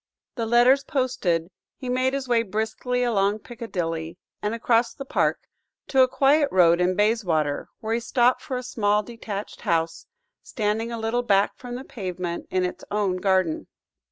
The letters posted, he made his way briskly along Piccadilly, and across the Park, to a quiet road in Bayswater, where he stopped before a small detached house, standing a little back from the pavement, in its own garden.